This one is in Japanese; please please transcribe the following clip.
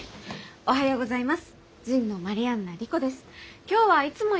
おはようございます。